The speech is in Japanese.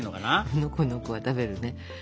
むのこのこは食べるね。